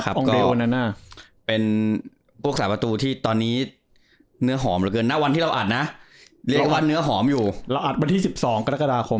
ก็เป็นพวกสาประตูที่ตอนนี้เนื้อหอมเหลือเกินณวันที่เราอัดนะเรียกว่าเนื้อหอมอยู่เราอัดวันที่๑๒กรกฎาคม